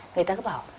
người ta cứ bảo